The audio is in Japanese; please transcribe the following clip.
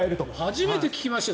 初めて聞きましたよ。